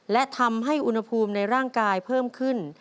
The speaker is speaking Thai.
และทำให้อุณหภูมิในร่างกายเพิ่มขึ้น